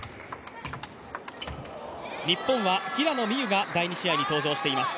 日本は平野美宇が第２試合に登場しています。